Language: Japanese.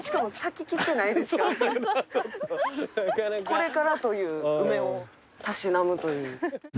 これからという梅をたしなむという。